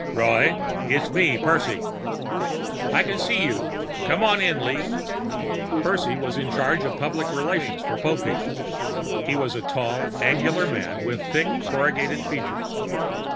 "Roy? It's me Percy." "I can see you. Come on in, Lee." Percy was in charge of public relations for Popeek. He was a tall, angular man with thick corrugated features.